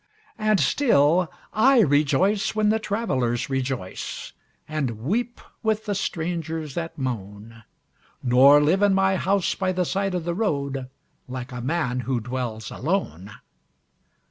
And still I rejoice when the travelers rejoice And weep with the strangers that moan, Nor live in my house by the side of the road Like a man who dwells alone.